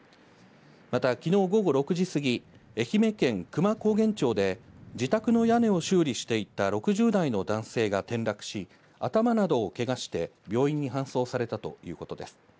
また、きのう午後６時過ぎ、愛媛県久万高原町で自宅の屋根を修理していた６０代の男性が転落し、頭などをけがして、病院に搬送されたということです。